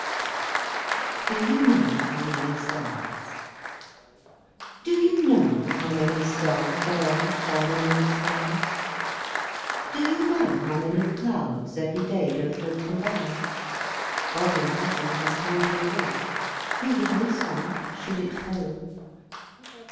DO YOU KNOW HOW MANY STARS? Do you know how many stars There are shining in the skies? Do you know how many clouds Ev'ry day go floating by? God in heaven has counted all, He would miss one should it fall.